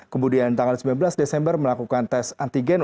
kemudian tanggal sembilan belas desember melakukan tes antigen